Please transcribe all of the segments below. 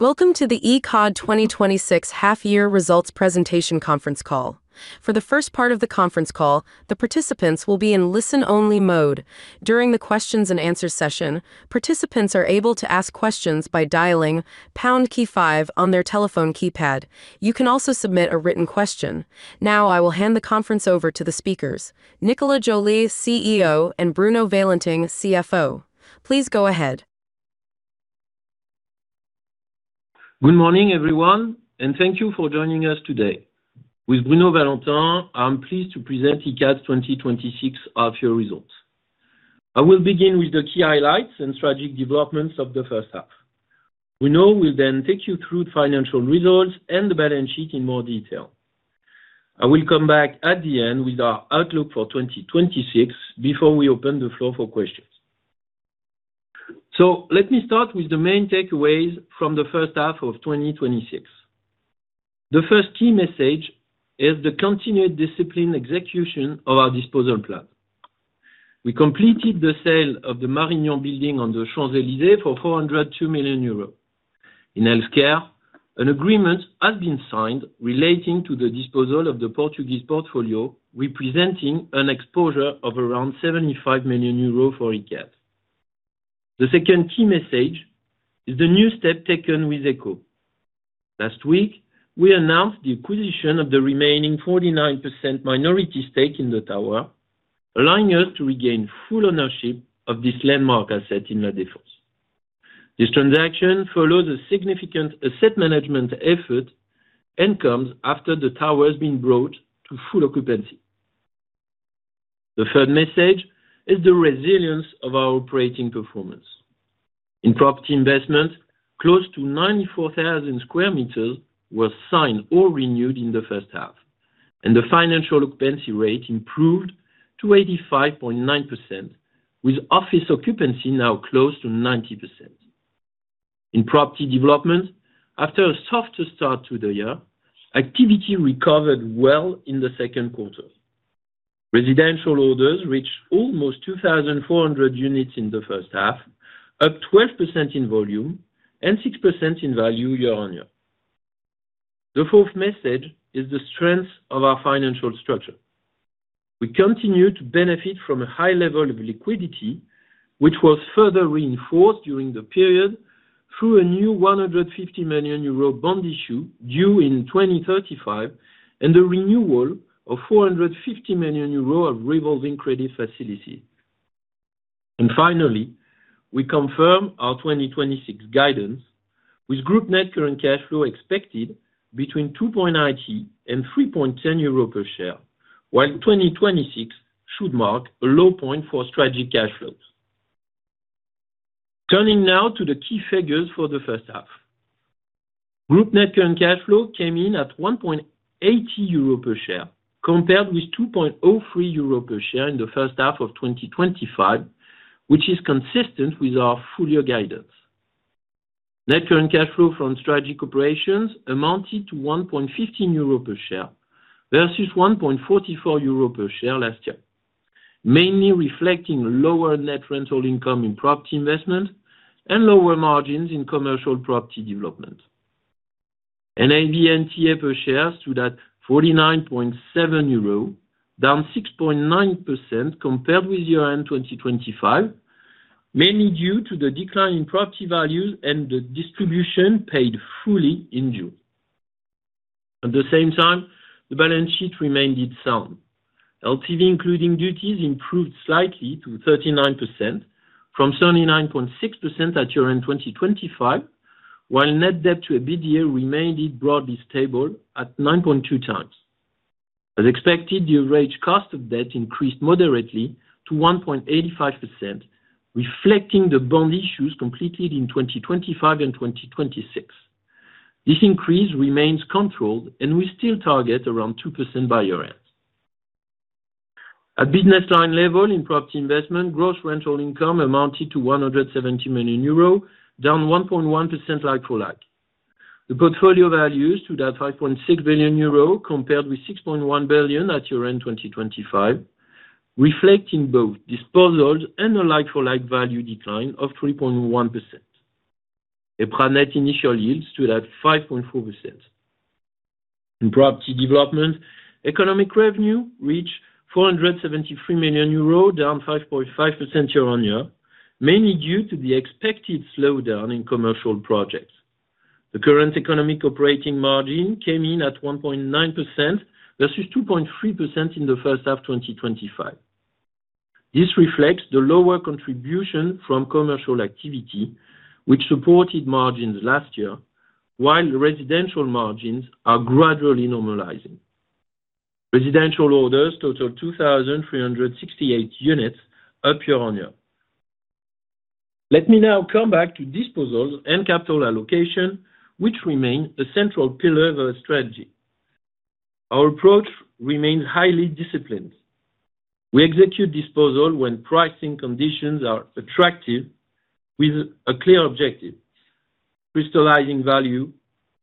Welcome to the Icade 2026 half-year results presentation conference call. For the first part of the conference call, the participants will be in listen-only mode. During the questions and answers session, participants are able to ask questions by dialing pound key five on their telephone keypad. You can also submit a written question. Now I will hand the conference over to the speakers, Nicolas Joly, CEO, and Bruno Valentin, CFO. Please go ahead. Good morning, everyone. Thank you for joining us today. With Bruno Valentin, I'm pleased to present Icade's 2026 half-year results. I will begin with the key highlights and strategic developments of the first half. Bruno will then take you through financial results and the balance sheet in more detail. I will come back at the end with our outlook for 2026 before we open the floor for questions. Let me start with the main takeaways from the first half of 2026. The first key message is the continued discipline execution of our disposal plan. We completed the sale of the Marignan building on the Champs-Élysées for 402 million euros. In healthcare, an agreement has been signed relating to the disposal of the Portuguese portfolio, representing an exposure of around 75 million euros for Icade. The second key message is the new step taken with Eqho. Last week, we announced the acquisition of the remaining 49% minority stake in the tower, allowing us to regain full ownership of this landmark asset in La Défense. This transaction follows a significant asset management effort and comes after the tower has been brought to full occupancy. The third message is the resilience of our operating performance. In property investment, close to 94,000 sq m were signed or renewed in the first half, and the financial occupancy rate improved to 85.9%, with office occupancy now close to 90%. In property development, after a softer start to the year, activity recovered well in the second quarter. Residential orders reached almost 2,400 units in the first half, up 12% in volume and 6% in value year-over-year. The fourth message is the strength of our financial structure. We continue to benefit from a high level of liquidity, which was further reinforced during the period through a new 150 million euro bond issue due in 2035 and the renewal of 450 million euro of revolving credit facility. Finally, we confirm our 2026 guidance with group net current cash flow expected between 2.90 and 3.10 euro per share, while 2026 should mark a low point for strategic cash flows. Turning now to the key figures for the first half. Group net current cash flow came in at 1.80 euro per share, compared with 2.03 euro per share in the first half of 2025, which is consistent with our full-year guidance. Net current cash flow from strategic operations amounted to 1.15 euro per share versus 1.44 euro per share last year, mainly reflecting lower net rental income in property investment and lower margins in commercial property development. NAV NTA per share stood at 49.7 euro, down 6.9% compared with year-end 2025, mainly due to the decline in property values and the distribution paid fully in June. At the same time, the balance sheet remained sound. LTV including duties improved slightly to 39%, from 39.6% at year-end 2025, while net debt to EBITDA remained broadly stable at 9.2x. As expected, the average cost of debt increased moderately to 1.85%, reflecting the bond issues completed in 2025 and 2026. This increase remains controlled, we still target around 2% by year-end. At business line level in property investment, gross rental income amounted to 170 million euro, down 1.1% like for like. The portfolio value stood at 5.6 billion euro, compared with 6.1 billion at year-end 2025, reflecting both disposals and a like-for-like value decline of 3.1%. EPRA net initial yield stood at 5.4%. In property development, economic revenue reached 473 million euros, down 5.5% year-on-year, mainly due to the expected slowdown in commercial projects. The current economic operating margin came in at 1.9% versus 2.3% in the first half of 2025. This reflects the lower contribution from commercial activity, which supported margins last year, while residential margins are gradually normalizing. Residential orders totaled 2,368 units up year-on-year. Let me now come back to disposals and capital allocation, which remain a central pillar of our strategy. Our approach remains highly disciplined. We execute disposal when pricing conditions are attractive with a clear objective: crystallizing value,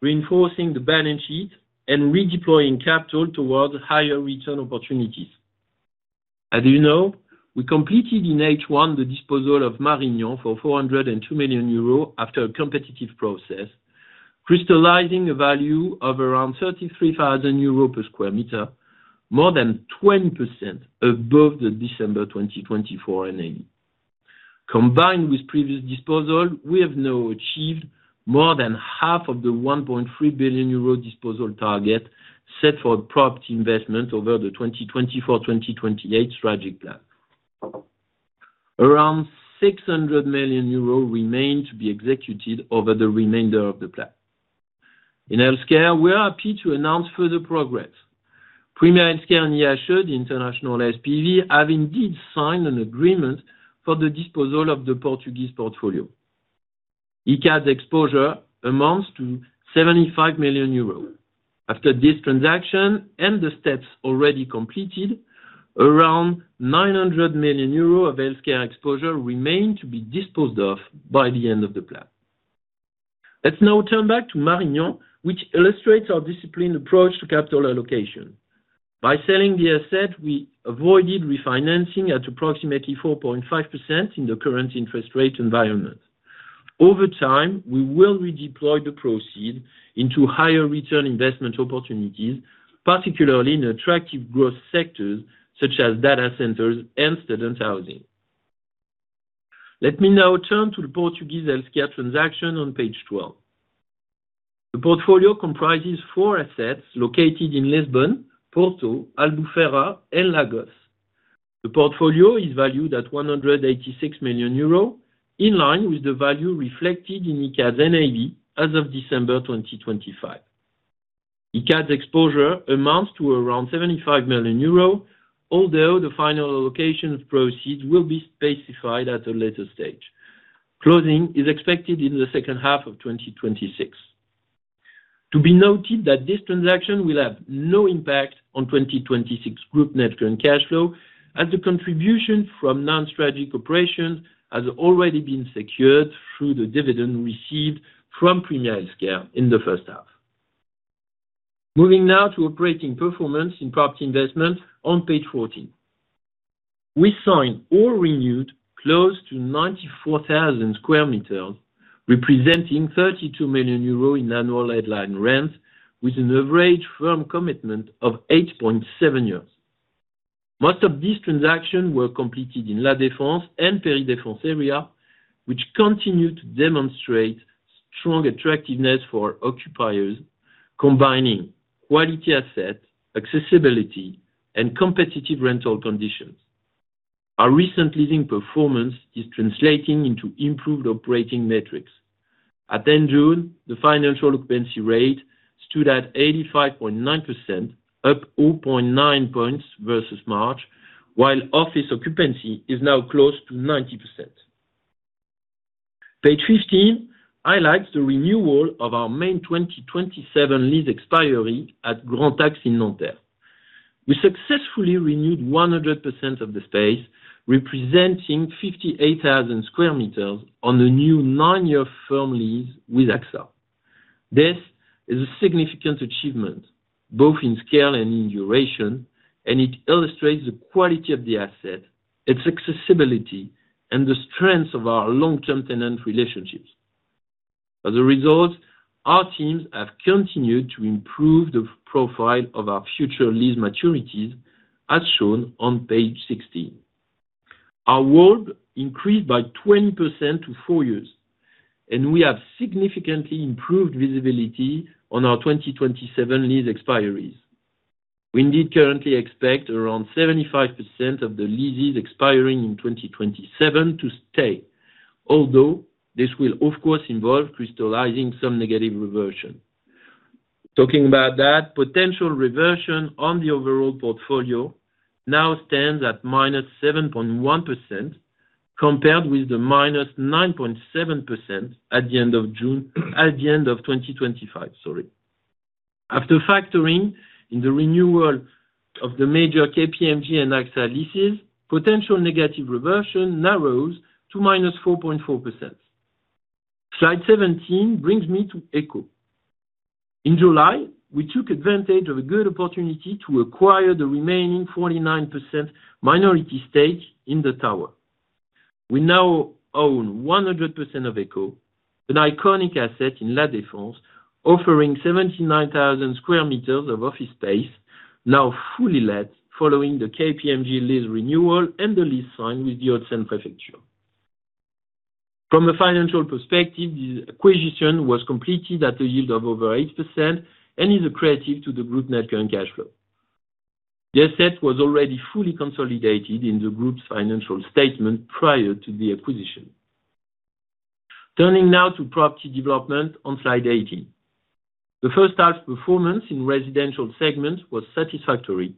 reinforcing the balance sheet, and redeploying capital towards higher return opportunities. As you know, we completed in H1 the disposal of Marignan for 402 million euros after a competitive process, crystallizing a value of around 33,000 euros per square meter, more than 20% above the December 2024 NAV. Combined with previous disposal, we have now achieved more than half of the 1.3 billion euro disposal target set for property investment over the 2024-2028 strategic plan. Around 600 million euros remains to be executed over the remainder of the plan. In Healthcare, we are happy to announce further progress. Praemia Healthcare and [OPPCI IHE], the international SPV, have indeed signed an agreement for the disposal of the Portuguese portfolio. Icade's exposure amounts to 75 million euros. After this transaction and the steps already completed, around 900 million euro of healthcare exposure remains to be disposed of by the end of the plan. Let's now turn back to Marignan, which illustrates our disciplined approach to capital allocation. By selling the asset, we avoided refinancing at approximately 4.5% in the current interest rate environment. Over time, we will redeploy the proceed into higher return investment opportunities, particularly in attractive growth sectors such as data centers and student housing. Let me now turn to the Portuguese healthcare transaction on page 12. The portfolio comprises four assets located in Lisbon, Porto, Albufeira, and Lagos. The portfolio is valued at 186 million euros, in line with the value reflected in Icade's NAV as of December 2025. Icade's exposure amounts to around 75 million euros, although the final allocation of proceeds will be specified at a later stage. Closing is expected in the second half of 2026. To be noted that this transaction will have no impact on 2026 group net current cash flow, as the contribution from non-strategic operations has already been secured through the dividend received from Praemia Healthcare in the first half. Moving now to operating performance in property investment on page 14. We signed or renewed close to 94,000 sq m, representing 32 million euros in annual headline rents with an average firm commitment of 8.7 years. Most of these transactions were completed in La Défense and Péri-Défense area, which continue to demonstrate strong attractiveness for occupiers, combining quality asset, accessibility, and competitive rental conditions. Our recent leasing performance is translating into improved operating metrics. At end June, the financial occupancy rate stood at 85.9%, up 0.9 points versus March, while office occupancy is now close to 90%. Page 15 highlights the renewal of our main 2027 lease expiry at Grands Axes in Nanterre. We successfully renewed 100% of the space, representing 58,000 sq m on a new nine-year firm lease with AXA. This is a significant achievement, both in scale and in duration, and it illustrates the quality of the asset, its accessibility, and the strength of our long-term tenant relationships. As a result, our teams have continued to improve the profile of our future lease maturities, as shown on page 16. Our WALT increased by 20% to four years, and we have significantly improved visibility on our 2027 lease expiries. We indeed currently expect around 75% of the leases expiring in 2027 to stay, although this will, of course, involve crystallizing some negative reversion. Talking about that, potential reversion on the overall portfolio now stands at -7.1%, compared with the -9.7% at the end of June, at the end of 2025, sorry. After factoring in the renewal of the major KPMG and AXA leases, potential negative reversion narrows to -4.4%. Slide 17 brings me to Eqho. In July, we took advantage of a good opportunity to acquire the remaining 49% minority stake in the tower. We now own 100% of Eqho, an iconic asset in La Défense, offering 79,000 sq m of office space, now fully let following the KPMG lease renewal and the lease signed with the Hauts-de-Seine Prefecture. From a financial perspective, this acquisition was completed at a yield of over 8% and is accretive to the group net current cash flow. The asset was already fully consolidated in the group's financial statement prior to the acquisition. Turning now to property development on slide 18. The first half performance in residential segment was satisfactory,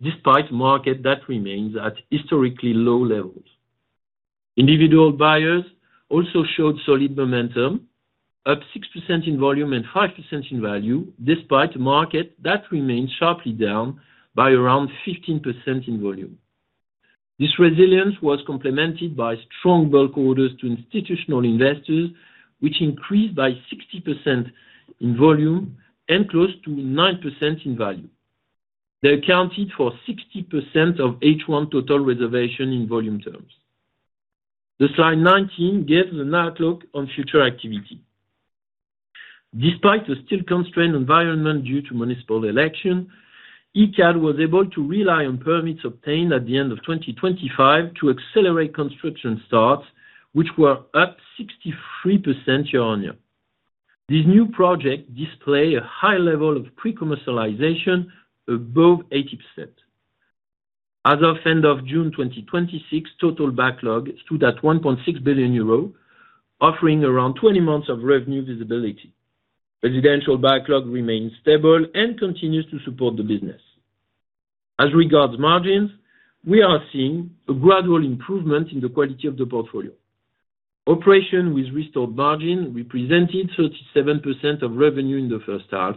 despite market that remains at historically low levels. Individual buyers also showed solid momentum, up 6% in volume and 5% in value, despite a market that remains sharply down by around 15% in volume. This resilience was complemented by strong bulk orders to institutional investors, which increased by 60% in volume and close to 9% in value. They accounted for 60% of H1 total reservation in volume terms. The slide 19 gives an outlook on future activity. Despite the still constrained environment due to municipal election, Icade was able to rely on permits obtained at the end of 2025 to accelerate construction starts, which were up 63% year-on-year. This new project display a high level of pre-commercialization above 80%. As of end of June 2026, total backlog stood at 1.6 billion euro, offering around 20 months of revenue visibility. Residential backlog remains stable and continues to support the business. As regards margins, we are seeing a gradual improvement in the quality of the portfolio. Operation with restored margin represented 37% of revenue in the first half,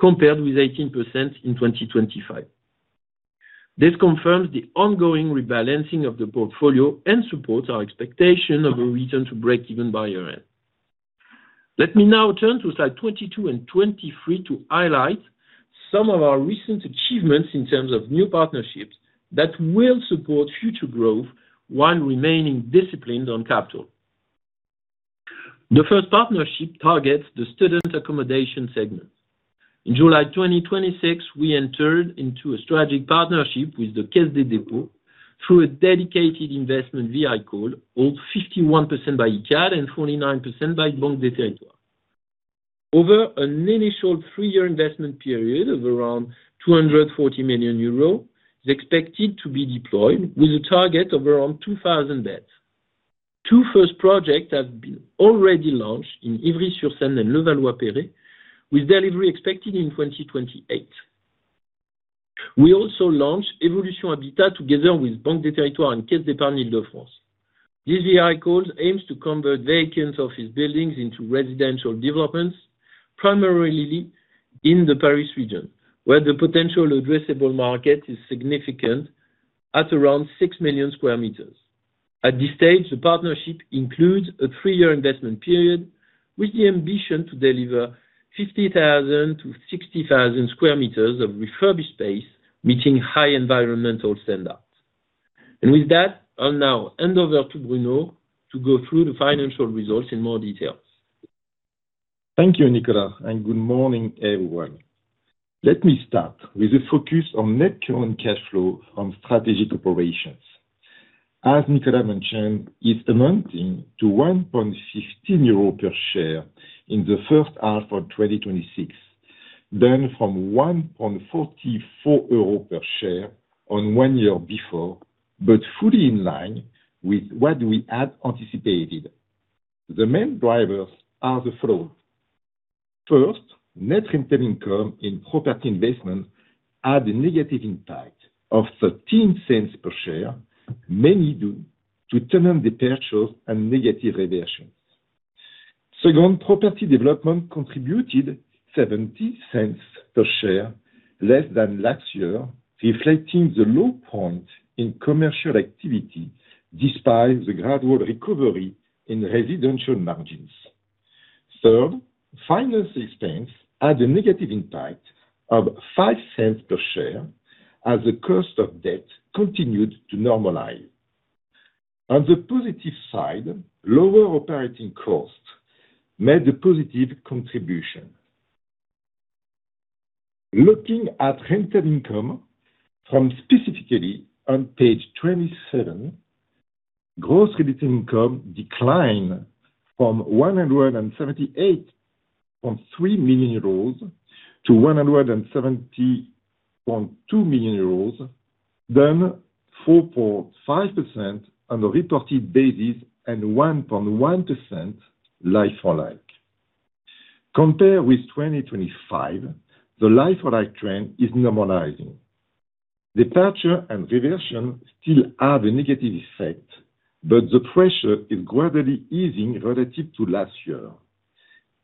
compared with 18% in 2025. This confirms the ongoing rebalancing of the portfolio and supports our expectation of a region to break even by year-end. Let me now turn to slide 22 and 23 to highlight some of our recent achievements in terms of new partnerships that will support future growth while remaining disciplined on capital. The first partnership targets the student accommodation segment. In July 2026, we entered into a strategic partnership with the Caisse des Dépôts through a dedicated investment vehicle, held 51% by Icade and 49% by Banque des Territoires. Over an initial three-year investment period of around 240 million euro is expected to be deployed with a target of around 2,000 beds. Two first projects have been already launched in Ivry-sur-Seine and Levallois-Perret, with delivery expected in 2028. We also launched Evolution Habitat together with Banque des Territoires and Caisse d'Épargne Île-de-France. This vehicle aims to convert vacant office buildings into residential developments, primarily in the Paris region, where the potential addressable market is significant at around 6 million sq m. At this stage, the partnership includes a three-year investment period with the ambition to deliver 50,000 to 60,000 sq m of refurbished space, meeting high environmental standards. With that, I'll now hand over to Bruno to go through the financial results in more details. Thank you, Nicolas, and good morning, everyone. Let me start with a focus on net current cash flow on strategic operations. As Nicolas mentioned, it's amounting to 1.16 euro per share in the first half of 2026, down from 1.44 euro per share one year before, fully in line with what we had anticipated. The main drivers are the following. First, net rented income in property investment had a negative impact of 0.13 per share, mainly due to tenant departures and negative reversions. Second, property development contributed 0.70 per share, less than last year, reflecting the low point in commercial activity despite the gradual recovery in residential margins. Third, finance expense had a negative impact of 0.05 per share as the cost of debt continued to normalize. On the positive side, lower operating costs made a positive contribution. Looking at rented income from specifically on page 27, gross rented income declined from 178.3 million euros to 170.2 million euros, 4.5% on a reported basis and 1.1% like-for-like. Compared with 2025, the like-for-like trend is normalizing. Departure and reversion still have a negative effect, the pressure is gradually easing relative to last year.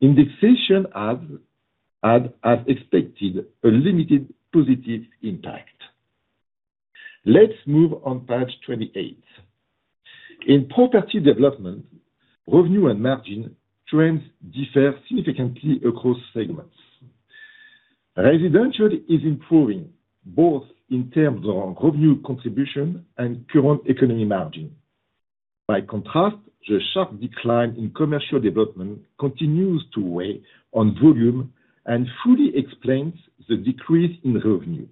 Indexation had, as expected, a limited positive impact. Let's move on page 28. In property development, revenue and margin trends differ significantly across segments. Residential is improving both in terms of revenue contribution and current economy margin. By contrast, the sharp decline in commercial development continues to weigh on volume and fully explains the decrease in revenue.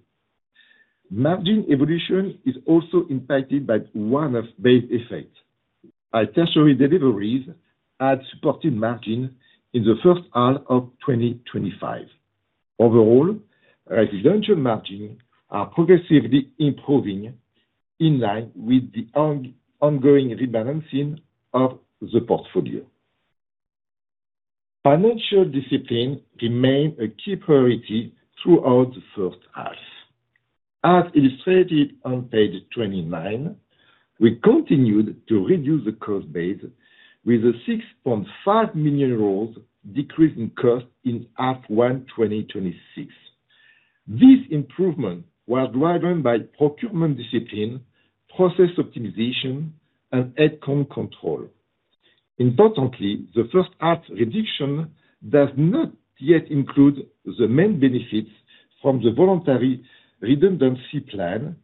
Margin evolution is also impacted by one of base effects. Tertiary deliveries had supported margin in the first half of 2025. Overall, residential margins are progressively improving in line with the ongoing rebalancing of the portfolio. Financial discipline remained a key priority throughout the first half. As illustrated on page 29, we continued to reduce the cost base with a 6.5 million euros decrease in cost in half one 2026. This improvement was driven by procurement discipline, process optimization, and headcount control. Importantly, the first half reduction does not yet include the main benefits from the voluntary redundancy plan,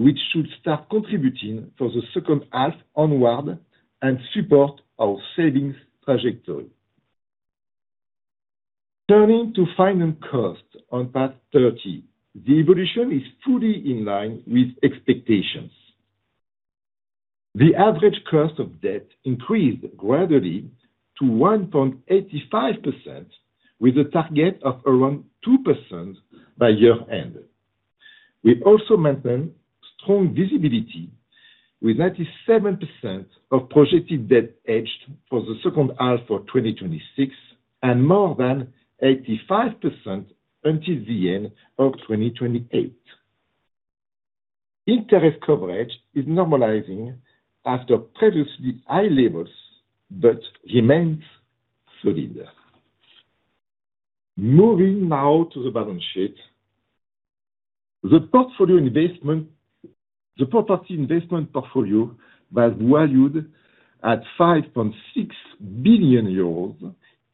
which should start contributing for the second half onward and support our savings trajectory. Turning to finance costs on page 30. The evolution is fully in line with expectations. The average cost of debt increased gradually to 1.85%, with a target of around 2% by year-end. We also maintain strong visibility, with 97% of projected debt hedged for the second half of 2026, and more than 85% until the end of 2028. Interest coverage is normalizing after previously high levels, but remains solid. Moving now to the balance sheet. The property investment portfolio was valued at 5.6 billion euros,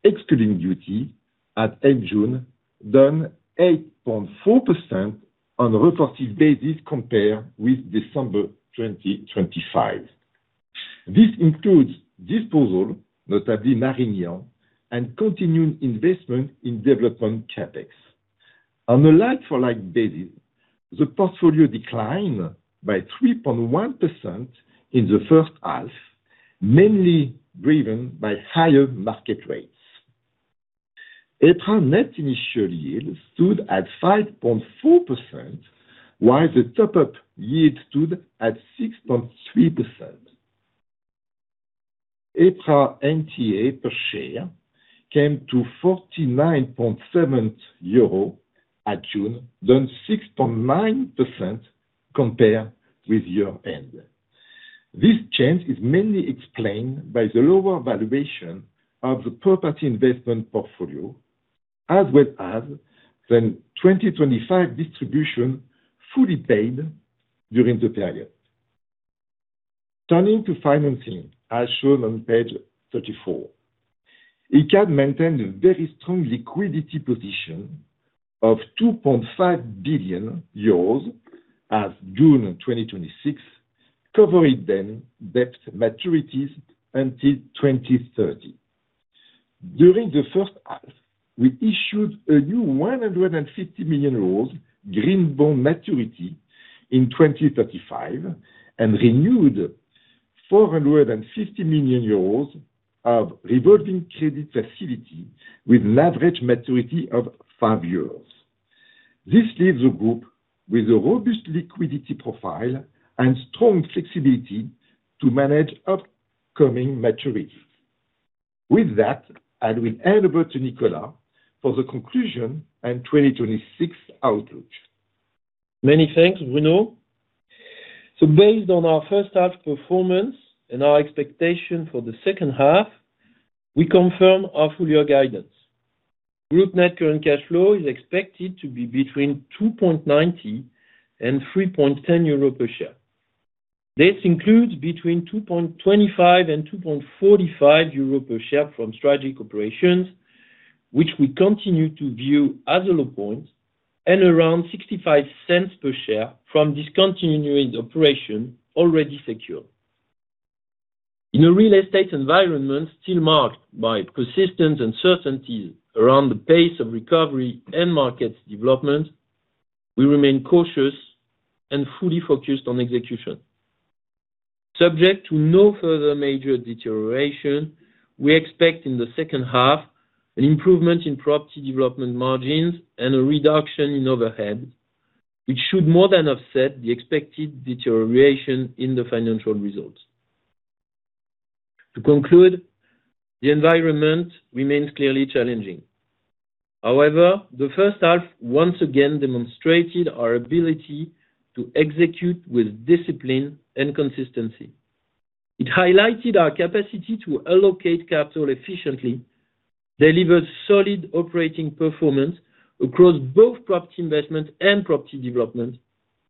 excluding duty, at eight June, down 8.4% on a reported basis compared with December 2025. This includes disposal, notably Marignan, and continued investment in development CapEx. On a like-for-like basis, the portfolio declined by 3.1% in the first half, mainly driven by higher market rates. EPRA net initial yield stood at 5.4%, while the top-up yield stood at 6.3%. EPRA NTA per share came to 49.7 euro at June, down 6.9% compared with year-end. This change is mainly explained by the lower valuation of the property investment portfolio, as well as the 2025 distribution fully paid during the period. Turning to financing, as shown on page 34. Icade maintained a very strong liquidity position of 2.5 billion euros as June 2026, covering then debt maturities until 2030. During the first half, we issued a new 150 million euros green bond maturity in 2035 and renewed 450 million euros of revolving credit facility with an average maturity of five years. This leaves the group with a robust liquidity profile and strong flexibility to manage upcoming maturities. With that, I will hand over to Nicolas for the conclusion and 2026 outlook. Many thanks, Bruno. Based on our first half performance and our expectation for the second half, we confirm our full-year guidance. Group net current cash flow is expected to be between 2.90 and 3.10 euro per share. This includes between 2.25 and 2.45 euro per share from strategic operations, which we continue to view as a low point, and around 0.65 per share from discontinuing the operation already secure. In a real estate environment still marked by persistent uncertainties around the pace of recovery and market development, we remain cautious and fully focused on execution. Subject to no further major deterioration, we expect in the second half an improvement in property development margins and a reduction in overhead, which should more than offset the expected deterioration in the financial results. To conclude, the environment remains clearly challenging. The first half once again demonstrated our ability to execute with discipline and consistency. It highlighted our capacity to allocate capital efficiently, deliver solid operating performance across both property investment and property development,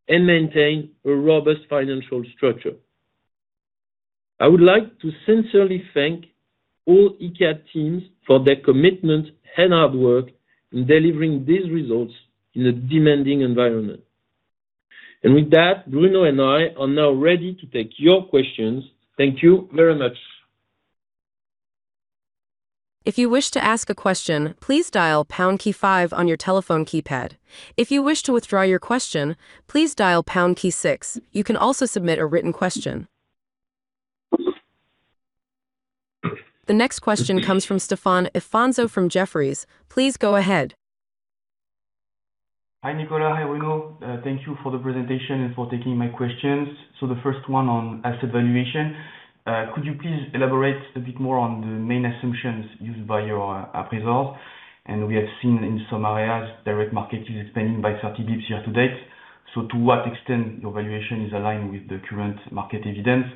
and maintain a robust financial structure. I would like to sincerely thank all Icade teams for their commitment and hard work in delivering these results in a demanding environment. With that, Bruno and I are now ready to take your questions. Thank you very much. If you wish to ask a question, please dial pound key five on your telephone keypad. If you wish to withdraw your question, please dial pound key six. You can also submit a written question. The next question comes from Stéphane Afonso from Jefferies. Please go ahead. Hi, Nicolas. Hi, Bruno. Thank you for the presentation and for taking my questions. The first one on asset valuation. Could you please elaborate a bit more on the main assumptions used by your appraisers? We have seen in some areas direct market is expanding by 30 basis points year to date. To what extent your valuation is aligned with the current market evidence,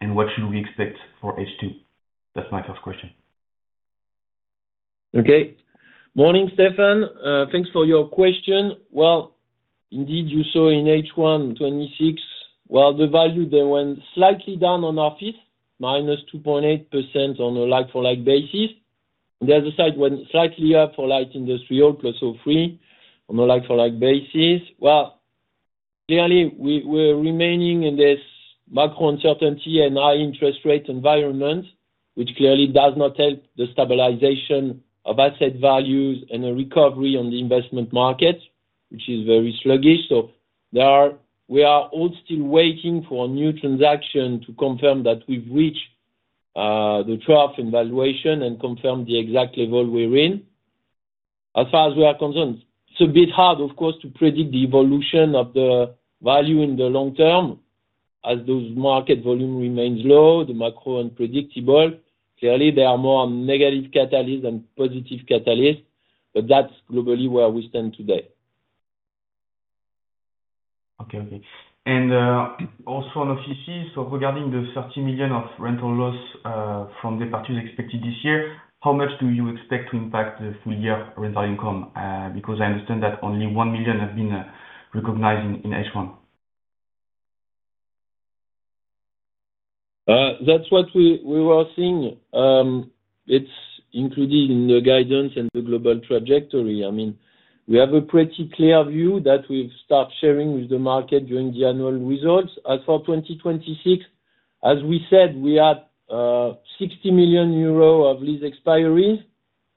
and what should we expect for H2? That's my first question. Okay. Morning, Stéphane. Thanks for your question. Well, indeed, you saw in H1 2026, the value there went slightly down on office, -2.8% on a like-for-like basis. The other side went slightly up for light industrial, +0.3%, on a like-for-like basis. Well, clearly, we're remaining in this macro uncertainty and high interest rate environment, which clearly does not help the stabilization of asset values and a recovery on the investment market, which is very sluggish. We are all still waiting for a new transaction to confirm that we've reached the trough in valuation and confirm the exact level we're in, as far as we are concerned. It's a bit hard, of course, to predict the evolution of the value in the long term, as those market volume remains low, the macro unpredictable. There are more negative catalysts than positive catalysts, that's globally where we stand today. Okay. Also on offices, regarding the 30 million of rental loss from departures expected this year, how much do you expect to impact the full year rental income? I understand that only 1 million have been recognized in H1. That's what we were seeing. It's included in the guidance and the global trajectory. We have a pretty clear view that we've start sharing with the market during the annual results. As for 2026, as we said, we had 60 million euro of lease expiries,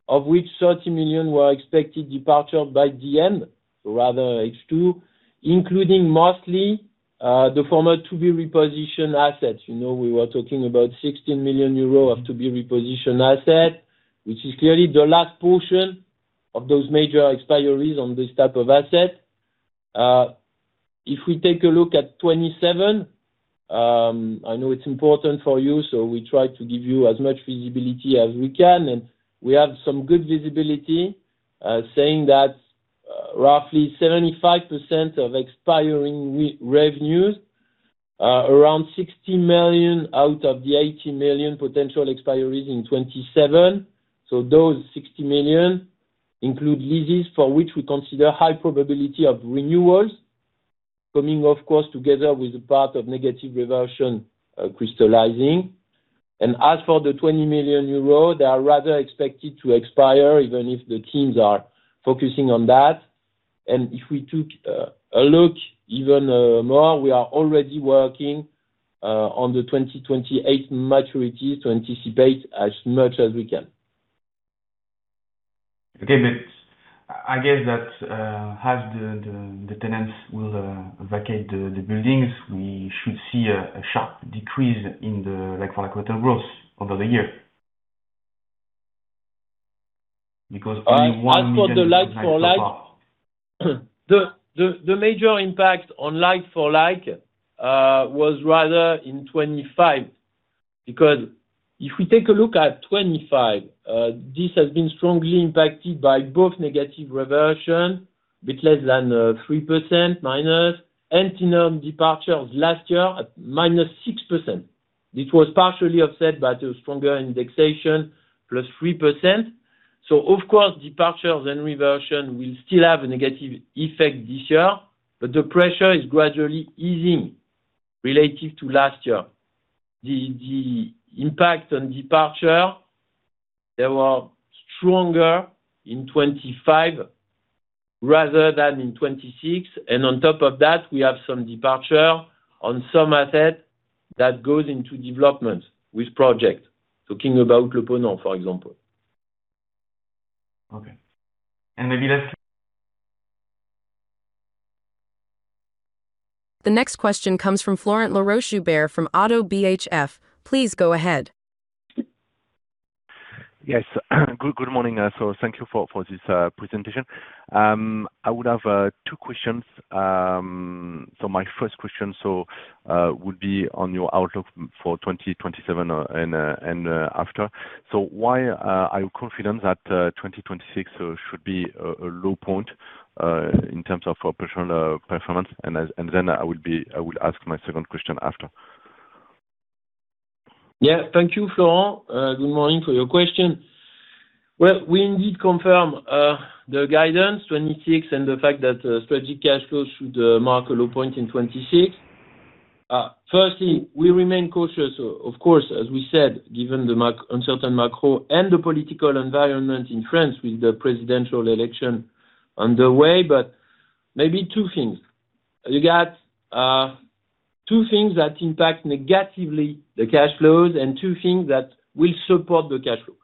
of which 30 million were expected departure by the end. Rather H2, including mostly the former to-be-repositioned assets. We were talking about 16 million euros of to-be-repositioned asset, which is clearly the last portion of those major expiries on this type of asset. We take a look at 2027, I know it's important for you, we try to give you as much visibility as we can, we have some good visibility. Saying that roughly 75% of expiring revenues, around 60 million out of the 80 million potential expiries in 2027. Those 60 million include leases for which we consider high probability of renewals, coming, of course, together with a part of negative reversion crystallizing. As for the 20 million euros, they are rather expected to expire even if the teams are focusing on that. We took a look even more, we are already working on the 2028 maturity to anticipate as much as we can. Okay. I guess that as the tenants will vacate the buildings, we should see a sharp decrease in the like-for-like rental growth over the year. Because only 1 million. As for the like-for-like, the major impact on like-for-like was rather in 2025. If we take a look at 2025, this has been strongly impacted by both negative reversion, a bit less than -3%, and tenant departures last year at -6%. This was partially offset by the stronger indexation, +3%. Of course, departures and reversion will still have a negative effect this year, but the pressure is gradually easing relative to last year. The impact on departure, they were stronger in 2025 rather than in 2026. On top of that, we have some departure on some asset that goes into development with project. Talking about Le Ponant, for example. Okay. Maybe that's. The next question comes from Florent Laroche-Joubert from ODDO BHF. Please go ahead. Yes. Good morning. Thank you for this presentation. I would have two questions. My first question would be on your outlook for 2027 and after. Why are you confident that 2026 should be a low point in terms of operational performance? I will ask my second question after. Thank you, Florent. Good morning for your question. We indeed confirm the guidance 2026 and the fact that strategic cash flow should mark a low point in 2026. Firstly, we remain cautious, of course, as we said, given the uncertain macro and the political environment in France with the presidential election underway. Maybe two things. You got two things that impact negatively the cash flows and two things that will support the cash flow.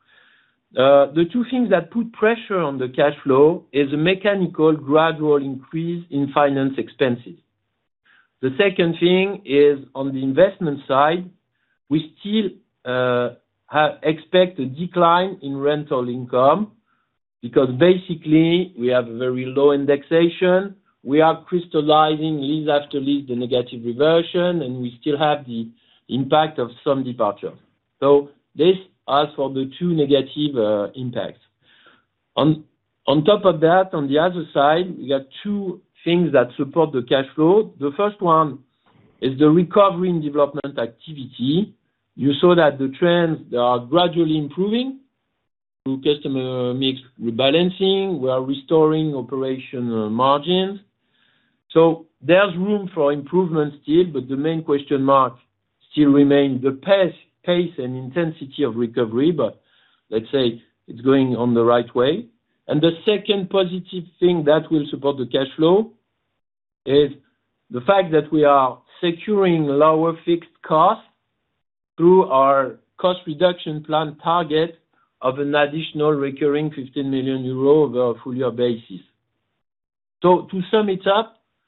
The two things that put pressure on the cash flow is a mechanical gradual increase in finance expenses. The second thing is on the investment side, we still expect a decline in rental income because basically we have very low indexation. We are crystallizing lease after lease, the negative reversion, and we still have the impact of some departure. This, as for the two negative impacts. On top of that, on the other side, we got two things that support the cash flow. The first one is the recovery in development activity. You saw that the trends are gradually improving through customer mix rebalancing. We are restoring operational margins. There's room for improvement still, but the main question mark still remains the pace and intensity of recovery. Let's say it's going on the right way. The second positive thing that will support the cash flow is the fact that we are securing lower fixed costs through our cost-reduction plan target of an additional recurring 15 million euro over a full year basis. To sum it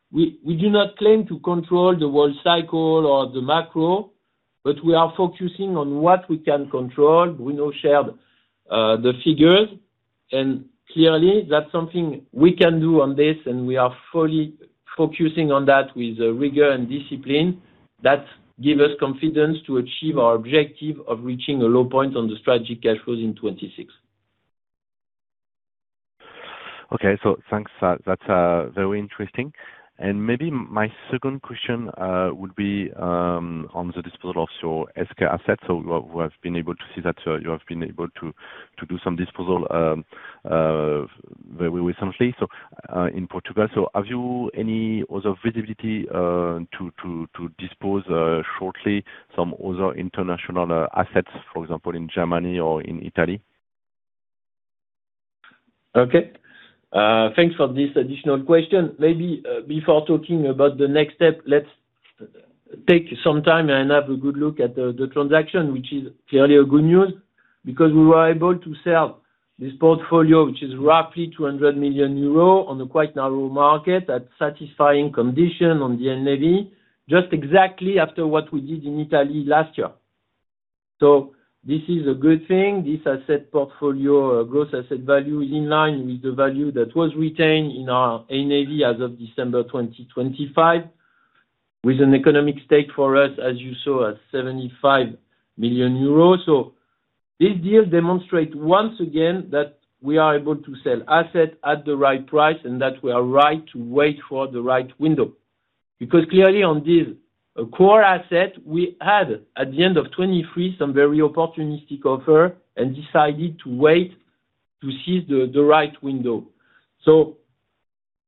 up, we do not claim to control the world cycle or the macro, but we are focusing on what we can control. Bruno shared the figures, clearly, that's something we can do on this, and we are fully focusing on that with rigor and discipline. That give us confidence to achieve our objective of reaching a low point on the strategic cash flows in 2026. Okay. Thanks. That's very interesting. Maybe my second question would be on the disposal of your healthcare assets. We have been able to see that you have been able to do some disposal very recently in Portugal. Have you any other visibility to dispose shortly some other international assets, for example, in Germany or in Italy? Okay. Thanks for this additional question. Maybe before talking about the next step, let's take some time and have a good look at the transaction, which is clearly a good news, because we were able to sell this portfolio, which is roughly 200 million euros on a quite narrow market at satisfying condition on the NAV, just exactly after what we did in Italy last year. This is a good thing. This asset portfolio, gross asset value, is in line with the value that was retained in our NAV as of December 2025, with an economic stake for us, as you saw, at 75 million euros. This deal demonstrate, once again, that we are able to sell assets at the right price and that we are right to wait for the right window. Clearly on this core asset, we had, at the end of 2023, some very opportunistic offer and decided to wait to seize the right window.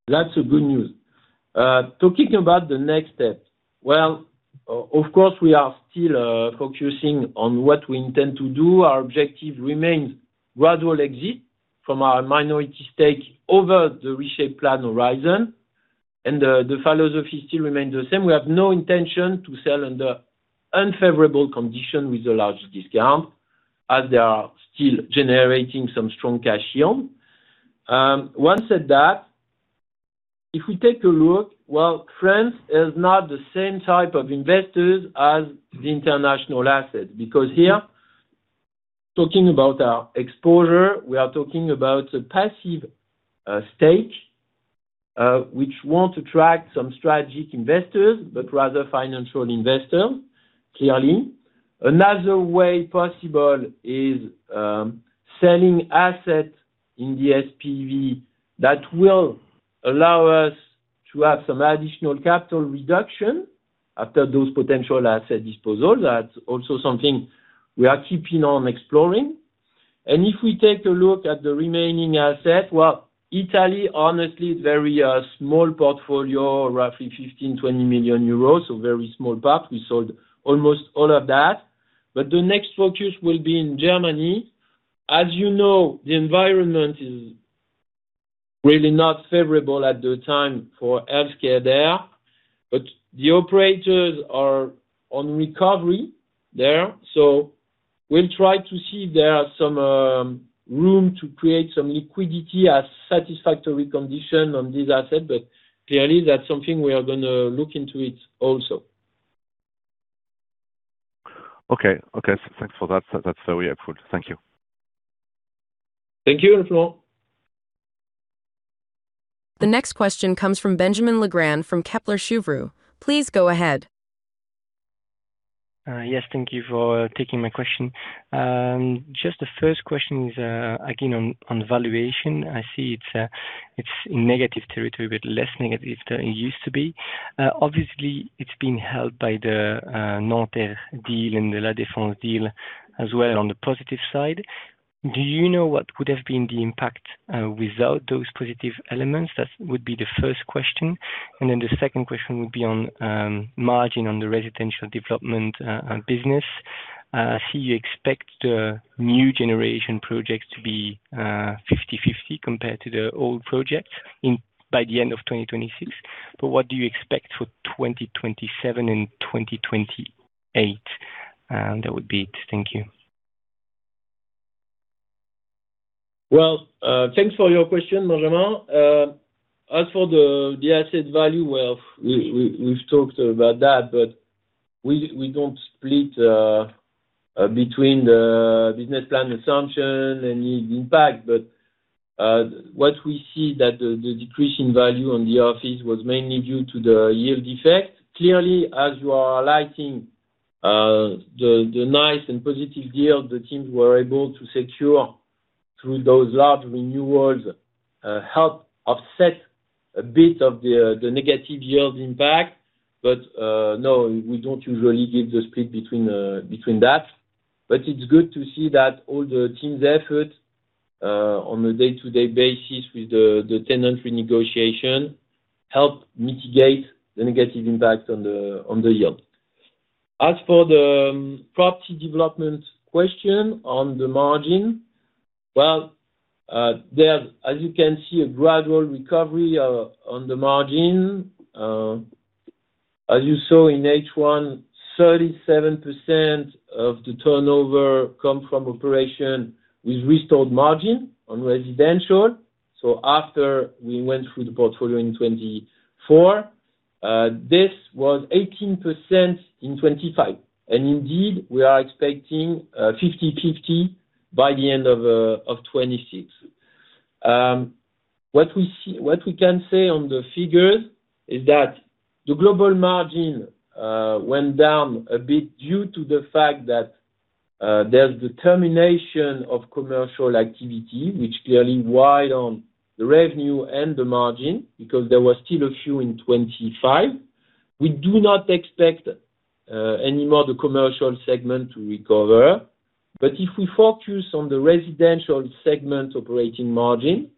That's a good news. Talking about the next step, well, of course, we are still focusing on what we intend to do. Our objective remains gradual exit from our minority stake over the reshape plan horizon, the philosophy still remains the same. We have no intention to sell under unfavorable condition with a large discount, as they are still generating some strong cash yield. Once at that, if we take a look, well, France is not the same type of investors as the international asset. Here, talking about our exposure, we are talking about a passive stake, which won't attract some strategic investors, but rather financial investor, clearly. Another way possible is selling assets in the SPV that will allow us to have some additional capital reduction after those potential asset disposals. That's also something we are keeping on exploring. If we take a look at the remaining asset, well, Italy, honestly, is very small portfolio, roughly 15 million-20 million euros, very small part. We sold almost all of that. The next focus will be in Germany. As you know, the environment is really not favorable at the time for healthcare there, but the operators are on recovery there. We'll try to see if there are some room to create some liquidity at satisfactory condition on this asset, clearly, that's something we are going to look into it also. Okay. Thanks for that. That's very helpful. Thank you. Thank you, Florent. The next question comes from Benjamin Legrand from Kepler Cheuvreux. Please go ahead. Yes. Thank you for taking my question. Just the first question is again on valuation. I see it's in negative territory, but less negative than it used to be. Obviously, it's been helped by the Nanterre deal and the La Défense deal as well on the positive side. Do you know what could have been the impact without those positive elements? That would be the first question. The second question would be on margin on the residential development business. I see you expect the new generation projects to be 50/50 compared to the old projects by the end of 2026. What do you expect for 2027 and 2028? That would be it. Thank you. Well, thanks for your question, Benjamin. As for the asset value, well, we've talked about that. We don't split between the business plan assumption, any impact. What we see that the decrease in value on the office was mainly due to the yield effect. Clearly, as you are highlighting, the nice and positive deals the teams were able to secure through those large renewals helped offset a bit of the negative yield impact. No, we don't usually give the split between that. It's good to see that all the team's effort on a day-to-day basis with the tenant renegotiation help mitigate the negative impact on the yield. As for the property development question on the margin, well, there, as you can see, a gradual recovery on the margin. As you saw in H1, 37% of the turnover come from operation with restored margin on residential. After we went through the portfolio in 2024, this was 18% in 2025. Indeed, we are expecting 50/50 by the end of 2026. What we can say on the figures is that the global margin went down a bit due to the fact that there's the termination of commercial activity, which clearly weigh on the revenue and the margin because there were still a few in 2025. We do not expect any more the commercial segment to recover. If we focus on the residential segment operating margin,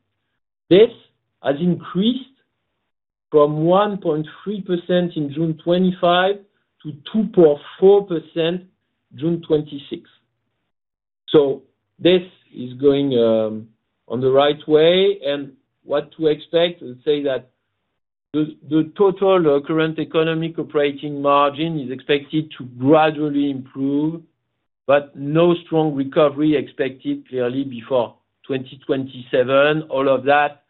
this has increased from 1.3% in June 2025 to 2.4% June 2026. This is going on the right way and what to expect, let's say that the total current economic operating margin is expected to gradually improve, but no strong recovery expected clearly before 2027. All of that,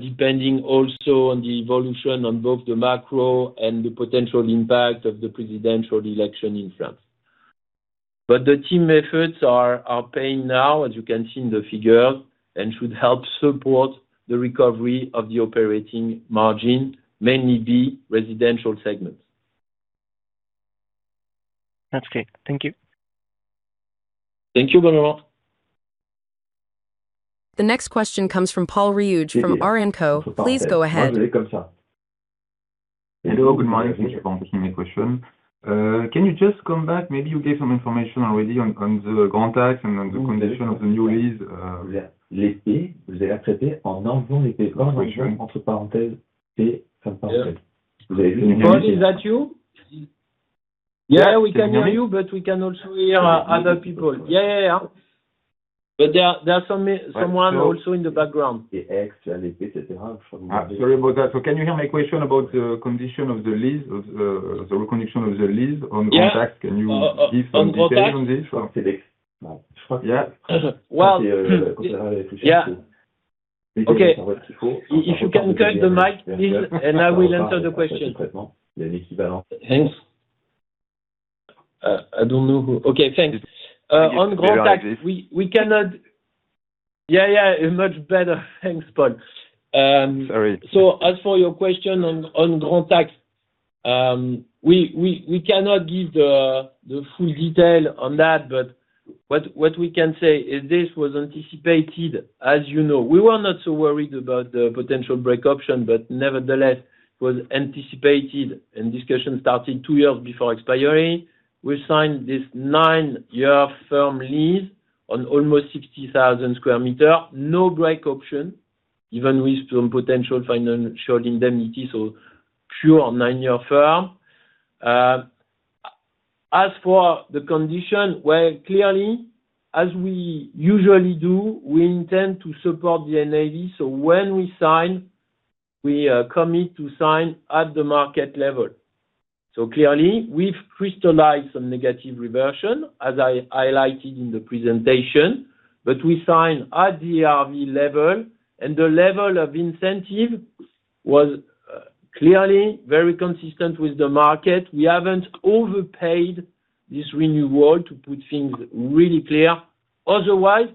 depending also on the evolution on both the macro and the potential impact of the presidential election in France. The team efforts are paying now, as you can see in the figure, and should help support the recovery of the operating margin, mainly the residential segment. That's clear. Thank you. Thank you, Legrand. The next question comes from [Paul Riouju] from Arenco. Please go ahead. Hello, good morning. Thank you for taking my question. Can you just come back, maybe you gave some information already on the Grands Axes and on the condition of the new lease? Paul, is that you? We can hear you, but we can also hear other people. There is someone also in the background. Sorry about that. Can you hear my question about the condition of the lease, the recognition of the lease on Grands Axes? Can you give some detail on this? On Grands Axes? Well. Okay. If you can cut the mic, please, and I will answer the question. Thanks. I don't know who. Okay, thanks. Yeah, much better. Thanks, Paul. Sorry. As for your question on Grands Axes, we cannot give the full detail on that, but what we can say is this was anticipated. As you know, we were not so worried about the potential break option, but nevertheless, it was anticipated and discussion started two years before expiry. We signed this nine-year firm lease on almost 60,000 sq m. No break option, even with some potential financial indemnity, pure nine-year firm. As for the condition, where clearly, as we usually do, we intend to support the NAV. When we sign, we commit to sign at the market level. Clearly, we've crystallized some negative reversion, as I highlighted in the presentation, but we sign at the ERV level, and the level of incentive was clearly very consistent with the market. We haven't overpaid this renewal to put things really clear. Otherwise,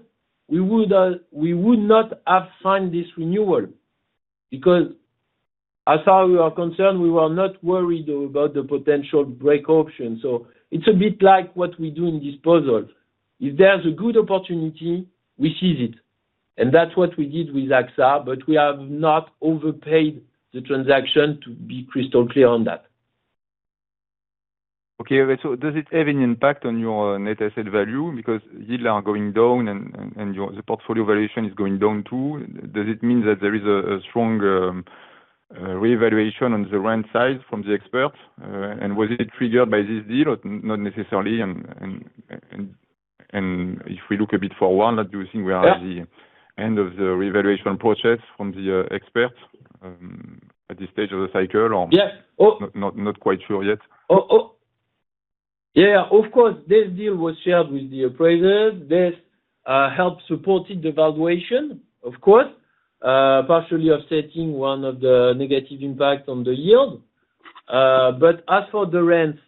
we would not have signed this renewal because as how we are concerned, we were not worried about the potential break option. It's a bit like what we do in disposals. If there's a good opportunity, we seize it. That's what we did with AXA, but we have not overpaid the transaction to be crystal clear on that. Okay. Does it have an impact on your net asset value? Because yields are going down and the portfolio valuation is going down, too. Does it mean that there is a strong revaluation on the rent side from the experts? Was it triggered by this deal or not necessarily? If we look a bit forward, do you think we are at the end of the revaluation process from the experts at this stage of the cycle or not quite sure yet? Of course, this deal was shared with the appraisers. This helped supported the valuation, of course, partially offsetting one of the negative impact on the yield. As for the rents,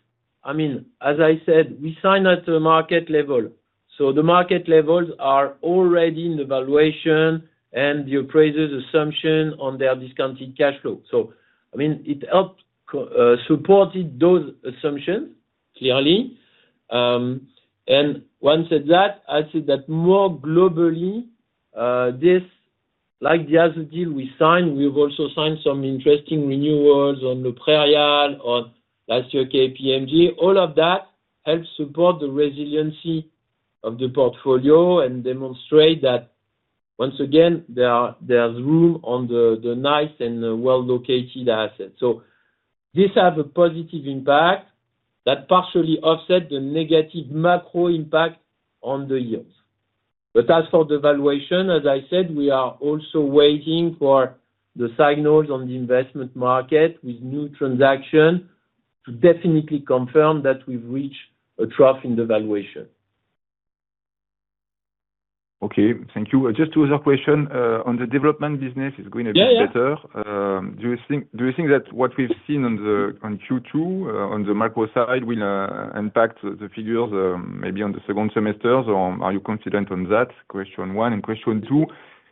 as I said, we sign at the market level. The market levels are already in the valuation and the appraiser's assumption on their discounted cash flow. It helped support those assumptions, clearly. Once said that, I said that more globally, this, like the other deal we signed, we've also signed some interesting renewals on Le Millénaire or last year KPMG. All of that helps support the resiliency of the portfolio and demonstrate that, once again, there's room on the nice and well-located assets. This has a positive impact that partially offset the negative macro impact on the yields. As for the valuation, as I said, we are also waiting for the signals on the investment market with new transaction to definitely confirm that we've reached a trough in the valuation. Okay. Thank you. Just two other questions. On the development business, it's going to be- Yeah. better. Do you think that what we've seen on Q2, on the macro side, will impact the figures maybe on the second semester? Or are you confident on that? Question one. Question two,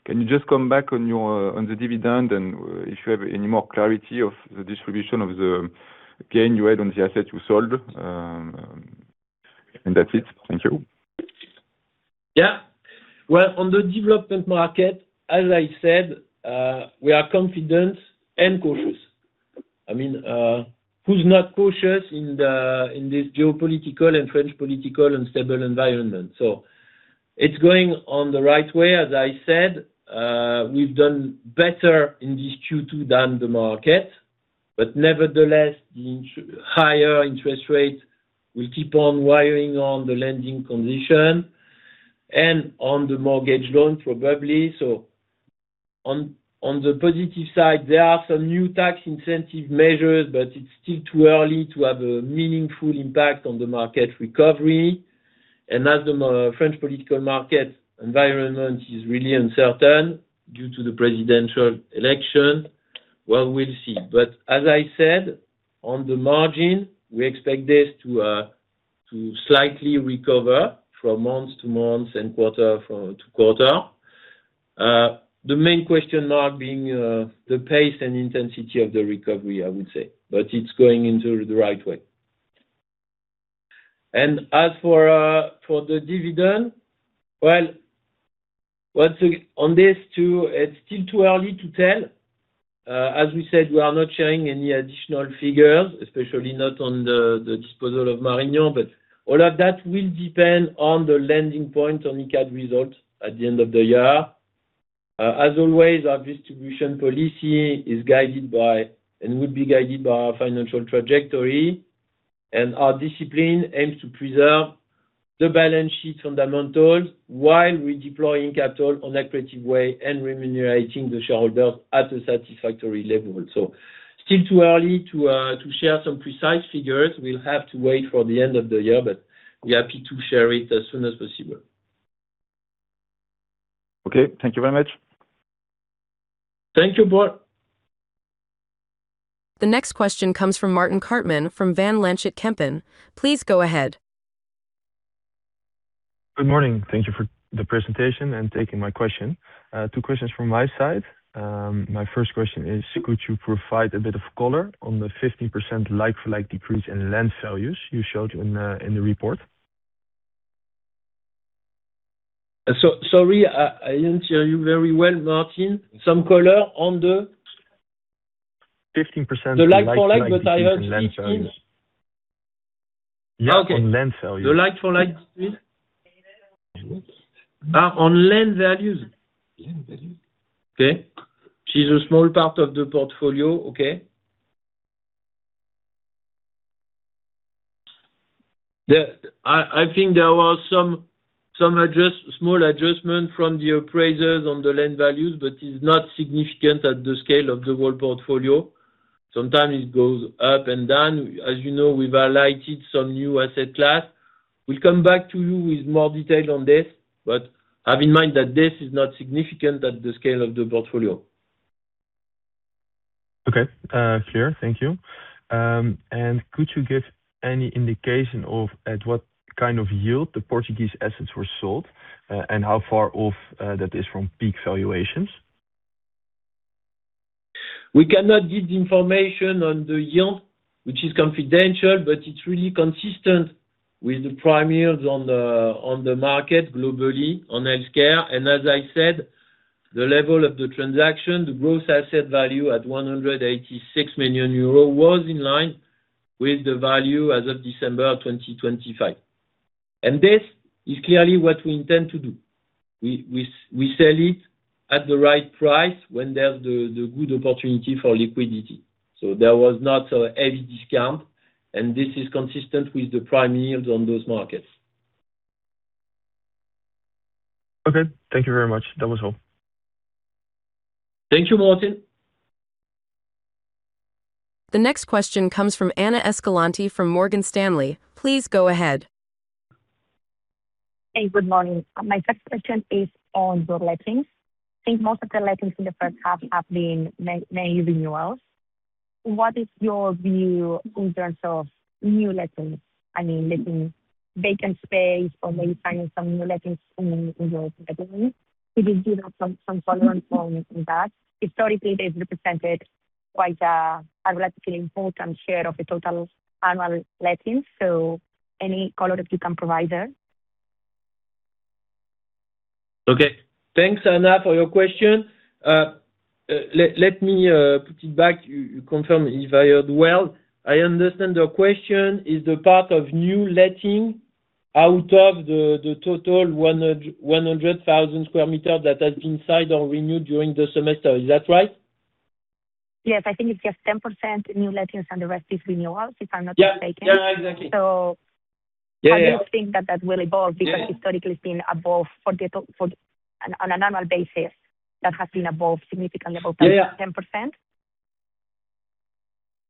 can you just come back on the dividend and if you have any more clarity of the distribution of the gain you had on the asset you sold? That's it. Thank you. Yeah. Well, on the development market, as I said, we are confident and cautious. I mean, who's not cautious in this geopolitical and French political unstable environment? It's going on the right way. As I said, we've done better in this Q2 than the market, but nevertheless, the higher interest rate will keep on weighing on the lending conditions and on the mortgage loan, probably. On the positive side, there are some new tax incentive measures, but it's still too early to have a meaningful impact on the market recovery. As the French political market environment is really uncertain due to the presidential election, well, we'll see. As I said, on the margin, we expect this to slightly recover from month to month and quarter to quarter. The main question now being the pace and intensity of the recovery, I would say, but it's going into the right way. As for the dividend, well, on this too, it's still too early to tell. As we said, we are not sharing any additional figures, especially not on the disposal of Marignan, but all of that will depend on the landing point on Icade results at the end of the year. As always, our distribution policy is guided by, and will be guided by our financial trajectory, and our discipline aims to preserve the balance sheet fundamentals while redeploying capital on accretive way and remunerating the shareholders at a satisfactory level. Still too early to share some precise figures. We'll have to wait for the end of the year, but we're happy to share it as soon as possible. Okay. Thank you very much. Thank you, Paul. The next question comes from Martijn Kartman from Van Lanschot Kempen. Please go ahead. Good morning. Thank you for the presentation and taking my question. Two questions from my side. My first question is, could you provide a bit of color on the 15% like-for-like decrease in land values you showed in the report? Sorry, I didn't hear you very well, Martijn. Some color on. 15% like-for-like decrease in land values the like-for-like, but I heard 15%. Yeah, on land values. Okay. The like for like on land values. Land values. Okay. Which is a small part of the portfolio. Okay. I think there was some small adjustment from the appraisers on the land values, but it's not significant at the scale of the whole portfolio. Sometimes it goes up and down. As you know, we've highlighted some new asset class. We'll come back to you with more detail on this, but have in mind that this is not significant at the scale of the portfolio. Okay. Clear. Thank you. Could you give any indication of at what kind of yield the Portuguese assets were sold, and how far off that is from peak valuations? We cannot give the information on the yield, which is confidential, but it's really consistent with the prime yields on the market globally on healthcare. As I said, the level of the transaction, the gross asset value at 186 million euros was in line with the value as of December 2025. This is clearly what we intend to do. We sell it at the right price when there's the good opportunity for liquidity. There was not a heavy discount, and this is consistent with the prime yields on those markets. Okay. Thank you very much. That was all. Thank you, Martijn. The next question comes from Ana Escalante from Morgan Stanley. Please go ahead. Hey, good morning. My first question is on the lettings. I think most of the lettings in the first half have been new renewals. What is your view in terms of new lettings? I mean, letting vacant space or maybe finding some new lettings in your portfolio. Could you give some color on that? Historically, it has represented quite a relatively important share of the total annual lettings, so any color that you can provide there. Okay. Thanks, Ana, for your question. Let me put it back. You confirm if I heard well. I understand your question is the part of new letting out of the total 100,000 sq m that has been signed or renewed during the semester. Is that right? Yes, I think it's just 10% new lettings and the rest is renewals, if I'm not mistaken. Yeah, exactly. So- Yeah I do think that that will evolve. Yeah Historically it's been above, on an annual basis, that has been above significant level.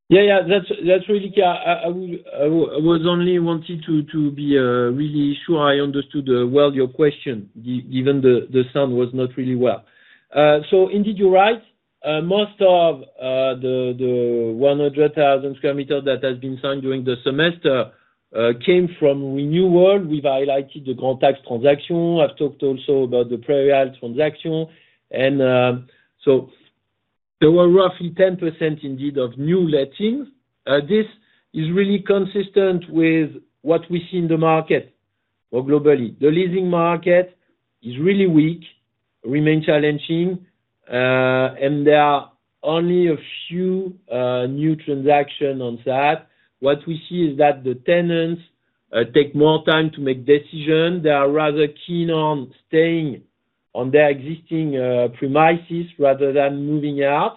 Yeah, yeah. 10%. Yeah. That's really key. I was only wanting to be really sure I understood well your question, given the sound was not really well. Indeed, you're right. Most of the 100,000 sq m that has been signed during the semester came from renewal. We've highlighted the Grands Axes transaction. I've talked also about the Praemia transaction. There were roughly 10%, indeed, of new lettings. This is really consistent with what we see in the market more globally. The leasing market is really weak, remains challenging, and there are only a few new transaction on that. What we see is that the tenants take more time to make decision. They are rather keen on staying on their existing premises rather than moving out.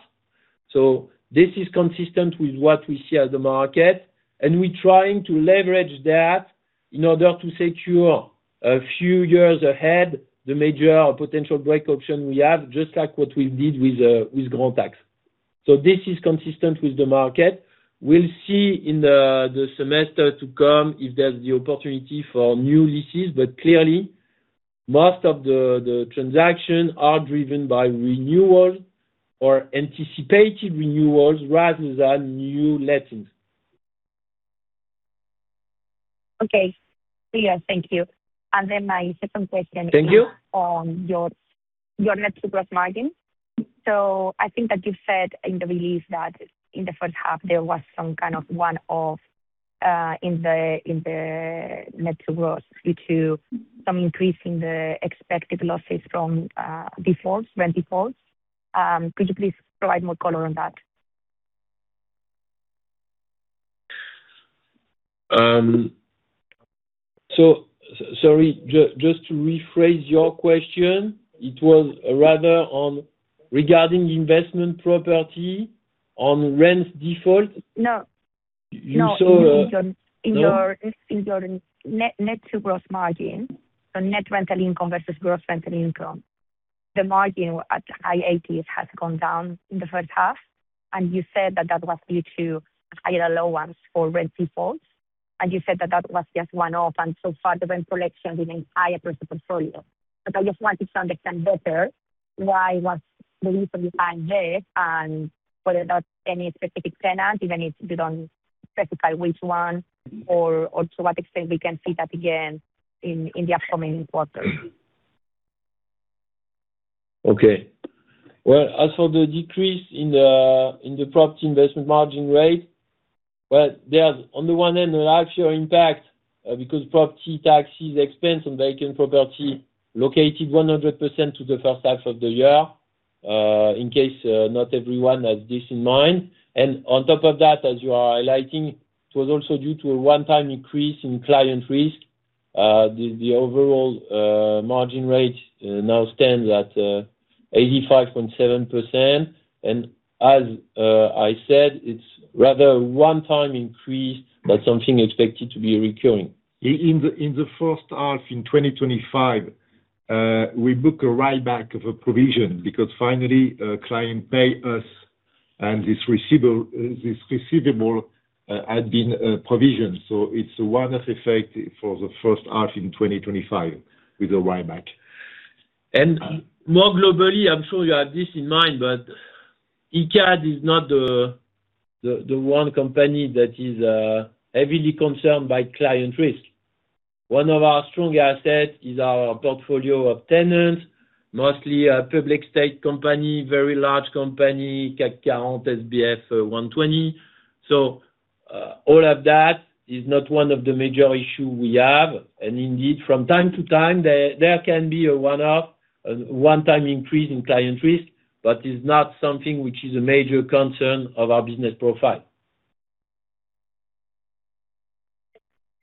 This is consistent with what we see at the market, and we're trying to leverage that in order to secure a few years ahead the major potential break option we have, just like what we did with Grands Axes. This is consistent with the market. We'll see in the semester to come if there's the opportunity for new leases. Clearly, most of the transactions are driven by renewals or anticipated renewals rather than new lettings. Okay. Yeah, thank you. Then my second question. Thank you is on your net to gross margin. I think that you said in the release that in the first half, there was some kind of one-off in the net to gross due to some increase in the expected losses from defaults, rent defaults. Could you please provide more color on that? Sorry, just to rephrase your question, it was rather on regarding investment property on rent default? No. You saw. No, No? In your net to gross margin, so net rental income versus gross rental income. The margin at high 80%, it has gone down in the first half, and you said that that was due to higher allowance for rent defaults, and you said that that was just one-off, and so far, the rent collection remains higher across the portfolio. I just wanted to understand better why was the reason behind this and whether that's any specific tenant, even if you don't specify which one, or to what extent we can see that again in the upcoming quarters. Well, as for the decrease in the property investment margin rate, there's on the one hand, an actual impact because property taxes, expense on vacant property allocated 100% to the first half of the year, in case not everyone has this in mind. On top of that, as you are highlighting, it was also due to a one-time increase in client risk. The overall margin rate now stands at 85.7%. As I said, it's rather a one-time increase than something expected to be recurring. In the first half in 2025, we book a writeback of a provision because finally, a client pay us and this receivable had been provisioned. It's an effect for the first half in 2025 with a writeback. More globally, I'm sure you have this in mind, Icade is not the one company that is heavily concerned by client risk. One of our strong assets is our portfolio of tenants, mostly a public state company, very large company, CAC 40, SBF 120. All of that is not one of the major issue we have. Indeed, from time to time, there can be a one-off, one-time increase in client risk, it's not something which is a major concern of our business profile.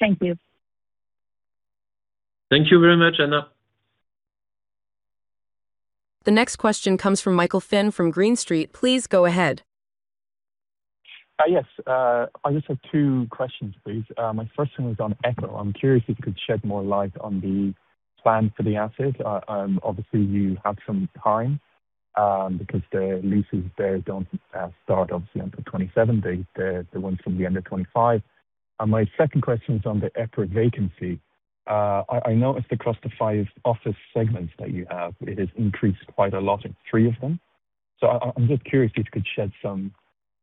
Thank you. Thank you very much, Ana. The next question comes from Michael Finn from Green Street. Please go ahead. Yes. I just have two questions, please. My first one was on Eqho. I'm curious if you could shed more light on the plan for the asset. Obviously, you have some time because the leases there don't start, obviously, until 2027. They went from the end of 2025. My second question is on the Eqho vacancy I noticed across the five office segments that you have, it has increased quite a lot in three of them. I'm just curious if you could shed some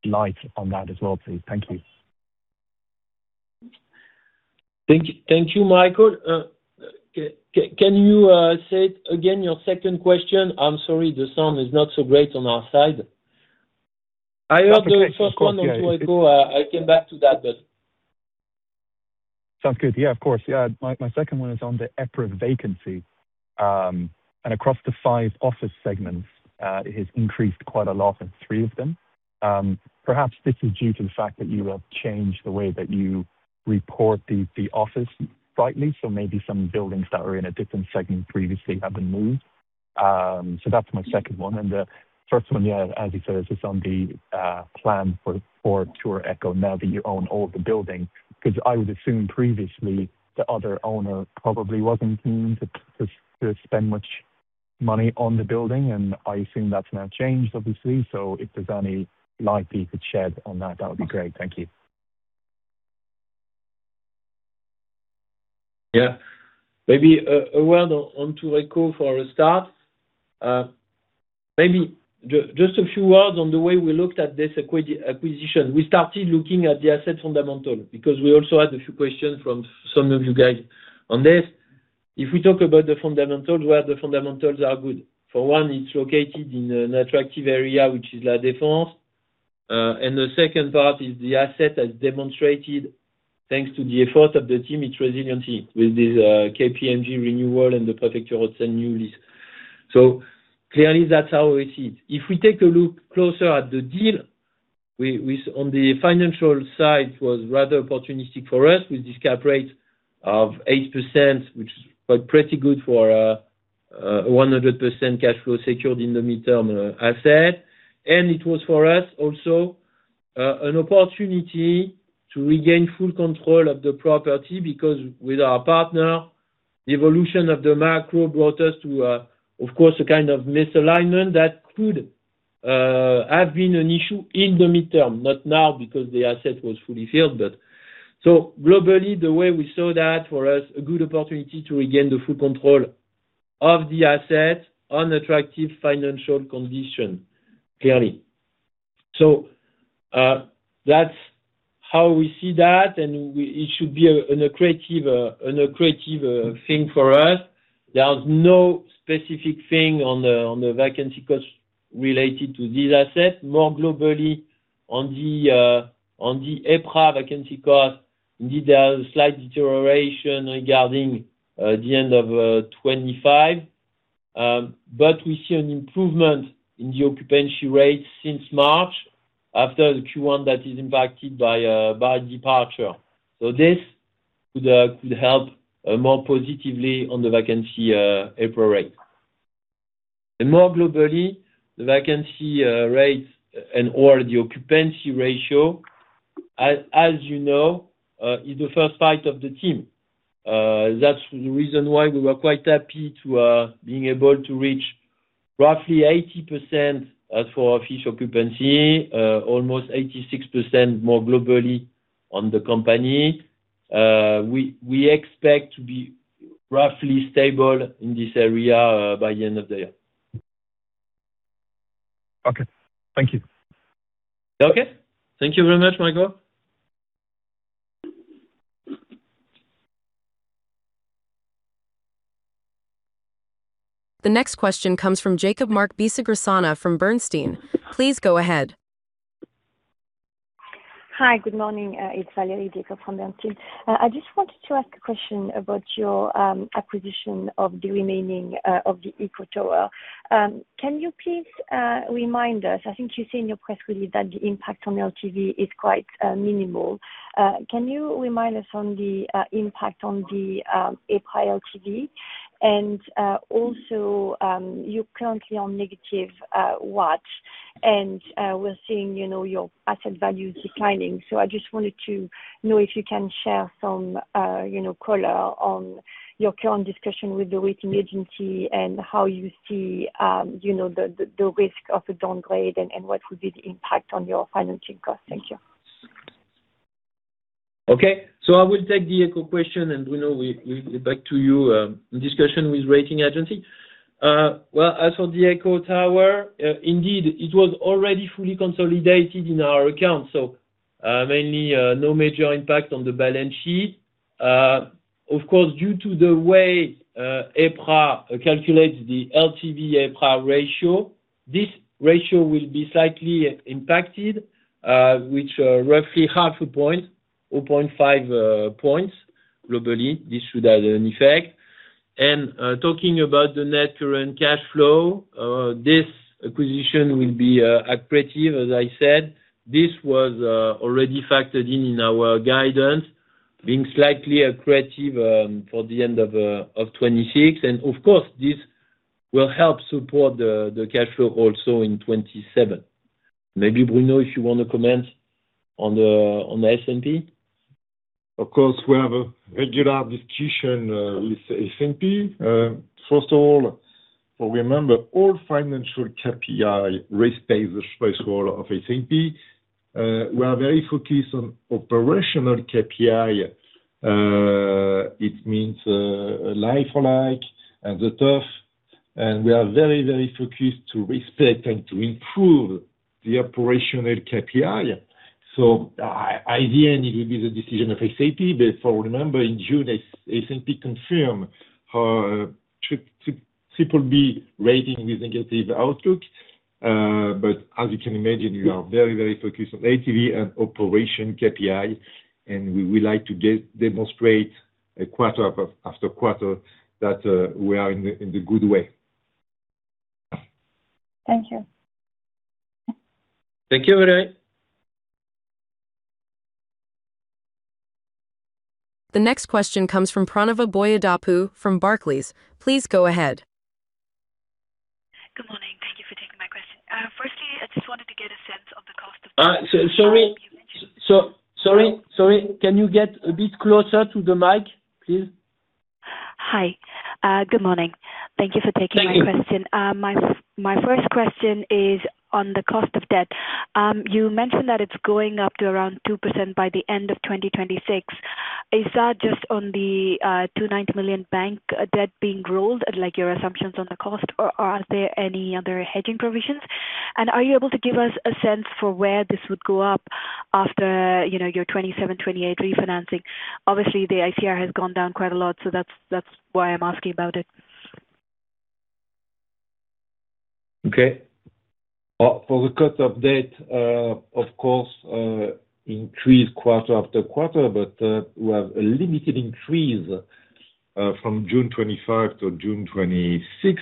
light on that as well, please. Thank you. Thank you, Michael. Can you say it again, your second question? I'm sorry, the sound is not so great on our side. I heard the first. The first one or two ago, I came back to that. Sounds good. Yeah, of course. My second one is on the EPRA vacancy. Across the five office segments, it has increased quite a lot in three of them. Perhaps this is due to the fact that you have changed the way that you report the office slightly. Maybe some buildings that were in a different segment previously have been moved. That's my second one. The first one, yeah, as you said, is on the plan for Tour Eqho now that you own all the building, because I would assume previously the other owner probably wasn't keen to spend much money on the building, and I assume that's now changed, obviously. If there's any light you could shed on that would be great. Thank you. Yeah. Maybe a word on Tour Eqho for a start. Maybe just a few words on the way we looked at this acquisition. We started looking at the asset fundamental because we also had a few questions from some of you guys on this. If we talk about the fundamentals, well, the fundamentals are good. For one, it's located in an attractive area, which is La Défense. The second part is the asset has demonstrated, thanks to the effort of the team, its resiliency with this KPMG renewal and the Préfecture new lease. Clearly, that's how we see it. If we take a look closer at the deal, on the financial side, it was rather opportunistic for us with this cap rate of 8%, which is pretty good for 100% cash flow secured in the midterm asset. It was for us also an opportunity to regain full control of the property, because with our partner, the evolution of the macro brought us to, of course, a kind of misalignment that could have been an issue in the midterm. Not now, because the asset was fully filled. Globally, the way we saw that, for us, a good opportunity to regain the full control of the asset on attractive financial condition, clearly. That's how we see that, and it should be an accretive thing for us. There's no specific thing on the vacancy cost related to this asset. More globally on the EPRA vacancy cost, indeed, there are slight deterioration regarding the end of 2025, but we see an improvement in the occupancy rate since March after the Q1 that is impacted by a bad departure. This could help more positively on the vacancy EPRA rate. More globally, the vacancy rates and or the occupancy ratio, as you know, is the first fight of the team. That's the reason why we were quite happy to being able to reach roughly 80% as for office occupancy, almost 86% more globally on the company. We expect to be roughly stable in this area by the end of the year. Okay. Thank you. Okay. Thank you very much, Michael. The next question comes from [Jacob Mark Bisig-Rysana] from Bernstein. Please go ahead. Hi. Good morning. It's Valerie Jacob from Bernstein. I just wanted to ask a question about your acquisition of the remaining of the Eqho Tower. Can you please remind us, I think you say in your press release that the impact on LTV is quite minimal. Can you remind us on the impact on the EPRA LTV? Also, you're currently on negative watch, and we're seeing your asset value declining. I just wanted to know if you can share some color on your current discussion with the rating agency and how you see the risk of a downgrade and what would be the impact on your financing cost. Thank you. Okay. I will take the Eqho question, and Bruno, we will get back to you in discussion with rating agency. As for the Eqho Tower, indeed, it was already fully consolidated in our account, mainly no major impact on the balance sheet. Of course, due to the way EPRA calculates the LTV EPRA ratio, this ratio will be slightly impacted, which roughly half a point, 0.5 points globally. This should have an effect. Talking about the net current cash flow, this acquisition will be accretive, as I said. This was already factored in in our guidance, being slightly accretive for the end of 2026. Of course, this will help support the cash flow also in 2027. Maybe, Bruno, if you want to comment on the S&P. Of course, we have a regular discussion with S&P. First of all, remember all financial KPI rates pay the threshold of S&P. We are very focused on operational KPI. It means like for like and the tough. We are very focused to respect and to improve the operational KPI. Ideally, it will be the decision of S&P. For remember in June, S&P confirm her BBB rating with negative outlook. As you can imagine, we are very focused on LTV and operation KPI, and we like to demonstrate quarter after quarter that we are in the good way. Thank you. Thank you. The next question comes from Pranava Boyidapu from Barclays. Please go ahead. Good morning. Thank you for taking my question. Firstly, I just wanted to get a sense of the cost of- Sorry. Can you get a bit closer to the mic, please? Hi. Good morning. Thank you for taking my question. Thank you. My first question is on the cost of debt. You mentioned that it's going up to around 2% by the end of 2026. Is that just on the 290 million bank debt being rolled, like your assumptions on the cost, or are there any other hedging provisions? Are you able to give us a sense for where this would go up after your 2027, 2028 refinancing? Obviously, the ICR has gone down quite a lot, so that's why I'm asking about it. Okay. For the cost of debt, of course, increase quarter after quarter, but we have a limited increase from June 2025 to June 2026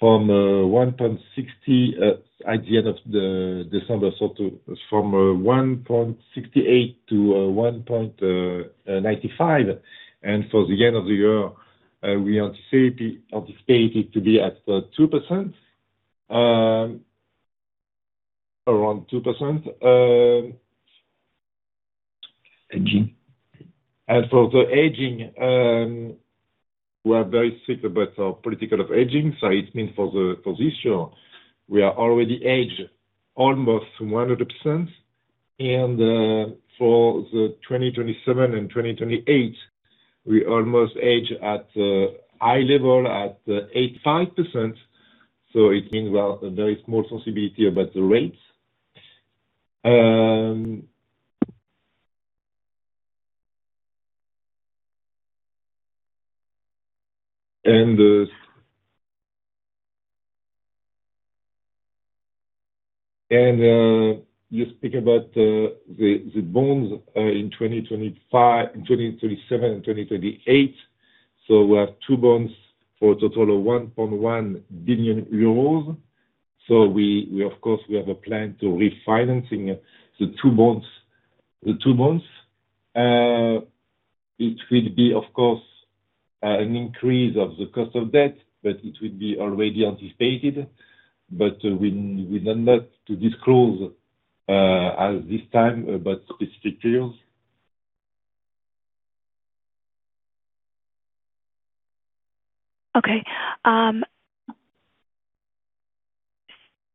from 1.60% at the end of December, so from 1.68%-1.95%. For the end of the year, we anticipated to be at 2%, around 2%. Hedging For the hedging, we are very strict about our policy of hedging. It means for this year, we are already hedged almost 100%. For the 2027 and 2028, we almost hedge at high level at 85%. It means we have a very small sensibility about the rates. You speak about the bonds in 2025, in 2027, and 2028. We have two bonds for a total of 1.1 billion euros. Of course, we have a plan to refinancing the two bonds. It will be, of course, an increase of the cost of debt, but it will be already anticipated. We don't have to disclose at this time about specific deals.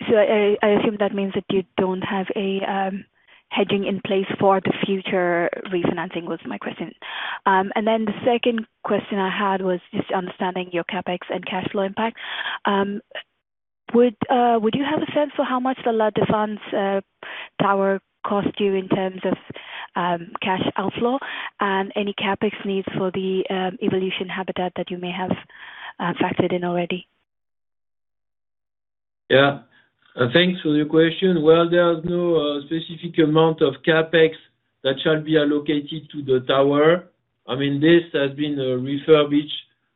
Okay. I assume that means that you don't have a hedging in place for the future refinancing, was my question. The second question I had was just understanding your CapEx and cash flow impact. Would you have a sense for how much the La Défense tower cost you in terms of cash outflow and any CapEx needs for the Evolution Habitat that you may have factored in already? Yeah. Thanks for your question. Well, there is no specific amount of CapEx that shall be allocated to the tower. This has been refurbished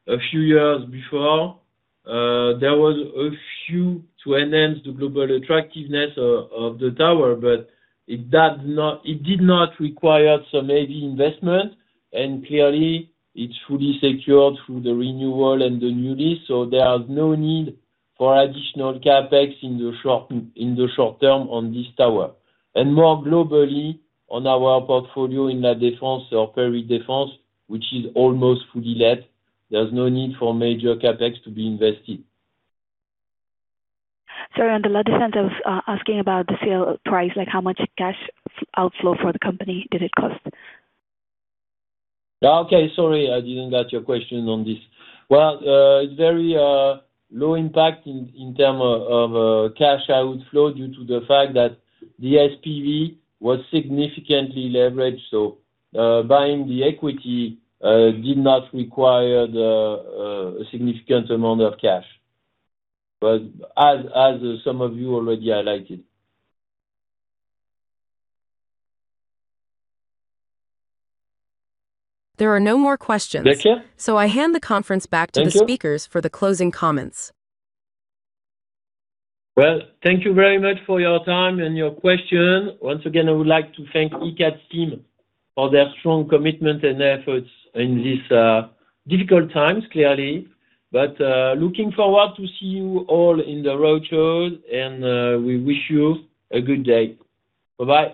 a few years before. There was a few to enhance the global attractiveness of the tower, but it did not require some heavy investment. Clearly, it's fully secured through the renewal and the new lease, so there is no need for additional CapEx in the short term on this tower. More globally, on our portfolio in La Défense or Péri-Défense, which is almost fully let, there's no need for major CapEx to be invested. Sorry, on the La Défense, I was asking about the sale price, like how much cash outflow for the company did it cost? Okay, sorry. I didn't get your question on this. Well, it's very low impact in terms of cash outflow due to the fact that the SPV was significantly leveraged. Buying the equity did not require a significant amount of cash, but as some of you already highlighted. There are no more questions. Thank you. I hand the conference back to the speakers for the closing comments. Well, thank you very much for your time and your question. Once again, I would like to thank Icade team for their strong commitment and efforts in this difficult times, clearly. Looking forward to see you all in the roadshow, and we wish you a good day. Bye-bye.